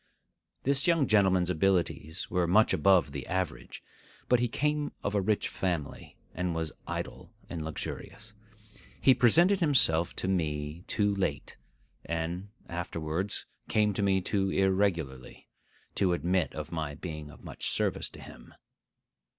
This young gentleman's abilities were much above the average; but he came of a rich family, and was idle and luxurious. He presented himself to me too late, and afterwards came to me too irregularly, to admit of my being of much service to him.